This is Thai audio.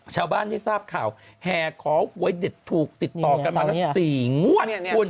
ชาวบ้านที่ทราบข่าวแห่ขอไหวถูกติดต่อกันมา๔งวด